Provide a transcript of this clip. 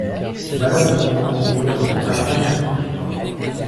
Malheureusement, les garçons atteints ne survivent pas.